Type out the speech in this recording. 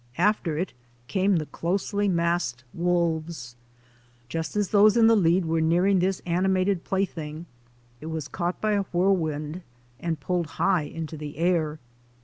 After it came the closely massed wolves. Just as those in the lead were nearing this animated plaything it was caught by a whirlwind and pulled high into the air.